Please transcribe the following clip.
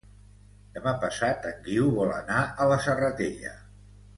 Demà passat en Guiu vol anar a la Serratella.